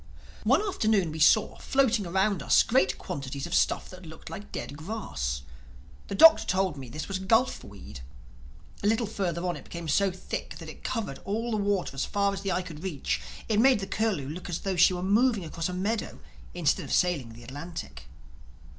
One afternoon we saw, floating around us, great quantities of stuff that looked like dead grass. The Doctor told me this was gulf weed. A little further on it became so thick that it covered all the water as far as the eye could reach; it made the Curlew look as though she were moving across a meadow instead of sailing the Atlantic.